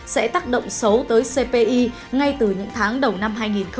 sẽ tác động xấu tới cpi ngay từ những tháng đầu năm hai nghìn một mươi chín